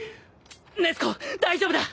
禰豆子大丈夫だ。